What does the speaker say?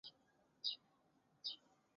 范围包括帕拉州东北部。